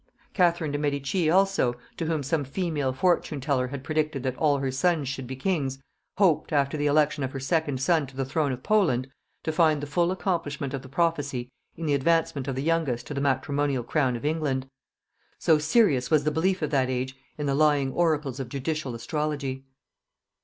Catherine de' Medici also, to whom some female fortune teller had predicted that all her sons should be kings, hoped, after the election of her second son to the throne of Poland, to find the full accomplishment of the prophecy in the advancement of the youngest to the matrimonial crown of England. So serious was the belief of that age in the lying oracles of judicial astrology!